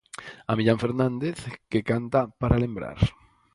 A Millán Fernández, que canta para lembrar.